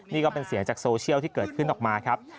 นี่ก็เป็นเสียงจากโซเชียลที่เกิดขึ้นออกมาครับ